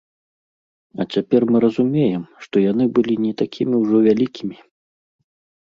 А цяпер мы разумеем, што яны былі не такімі ўжо вялікімі.